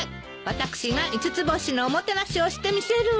私が五つ星のおもてなしをしてみせるわ。